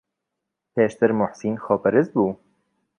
پێشتر موحسین خۆپەرست بوو.